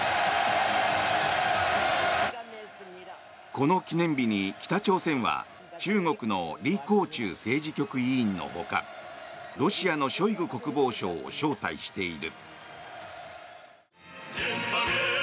この記念日に北朝鮮は中国のリ・コウチュウ政治局委員のほかロシアのショイグ国防相を招待している。